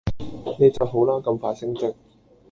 你就好啦！咁快升職。